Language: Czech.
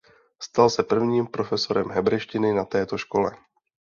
Stal se prvním profesorem hebrejštiny na této škole.